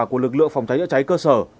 của lực lượng phòng cháy chữa cháy cơ sở